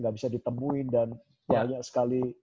gak bisa ditemuin dan banyak sekali